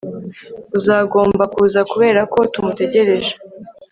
Uzagomba kuza kubera ko tumutegereje